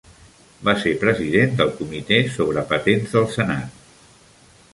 Va ser president del Comitè sobre Patents del Senat.